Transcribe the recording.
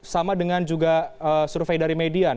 sama dengan juga survei dari median